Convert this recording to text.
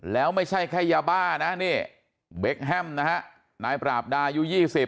แล้วไม่ใช่แค่ยาบ้านะนี่เบคแฮมนะฮะนายปราบดาอายุ๒๐